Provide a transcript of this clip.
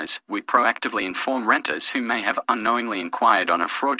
kami proaktif menginformasi penjualan yang mungkin telah menanyakan tentang listing palsu yang tindak cepat